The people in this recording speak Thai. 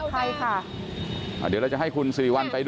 เหลือเพียงกลุ่มเล็กคอยสกัดอยู่บริเวณสะพานข้ามไปยังอนุสาวรีชัยอยู่นะครับ